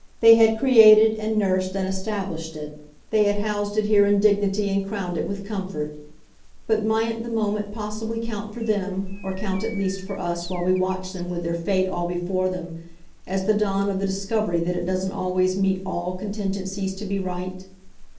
They had created and nursed and established it; they had housed it here in dignity and crowned it with comfort; but mightn't the moment possibly count for them or count at least for us while we watch them with their fate all before them as the dawn of the discovery that it doesn't always meet ALL contingencies to be right?